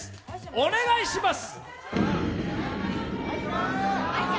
お願いします！